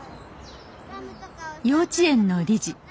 幼稚園の理事